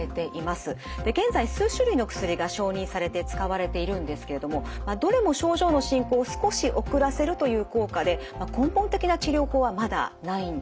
現在数種類の薬が承認されて使われているんですけれどもどれも症状の進行を少し遅らせるという効果で根本的な治療法はまだないんです。